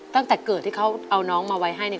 ตั้งแต่เกิดที่เขาเอาน้องมาไว้ให้เนี่ย